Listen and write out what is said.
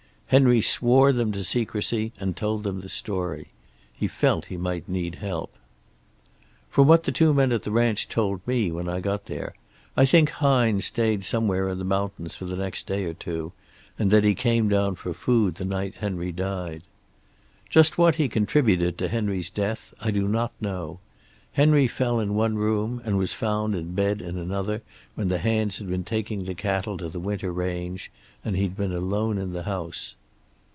Henry swore them to secrecy, and told them the story. He felt he might need help. "From what the two men at the ranch told me when I got there, I think Hines stayed somewhere in the mountains for the next day or two, and that he came down for food the night Henry died. "Just what he contributed to Henry's death I do not know. Henry fell in one room, and was found in bed in another when the hands had been taking the cattle to the winter range, and he'd been alone in the house.